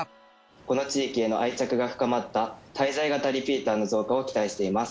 この地域への愛着が深まった滞在型リピーターの増加を期待しています。